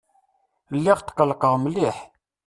Lliɣ tqelqeɣ mliḥ.